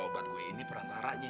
obat gue ini perantaranya